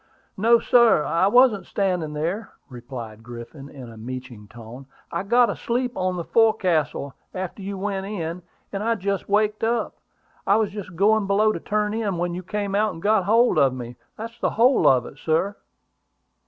"No, sir; I wasn't standing there," replied Griffin, in a meeching tone. "I got asleep on the fo'castle after you went in; and I just waked up. I was just going below to turn in when you came out and got hold of me. That's the whole of it, sir."